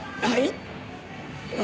はい。